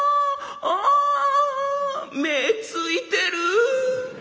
「あ目ぇ突いてる。